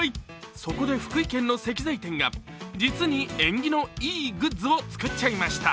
そこで福井県の石材店が実に縁起のいいグッズを作っちゃいました。